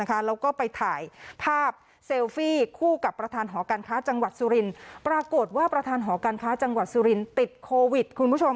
แล้วก็ไปถ่ายภาพเซลฟี่คู่กับประธานหอการค้าจังหวัดสุรินทร์ปรากฏว่าประธานหอการค้าจังหวัดสุรินติดโควิดคุณผู้ชม